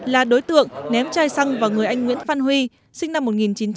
là đối tượng ném chai xăng vào người anh nguyễn phan huy sinh năm một nghìn chín trăm tám mươi